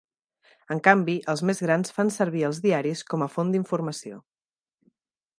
En canvi, els més grans fan servir els diaris com a font d’informació.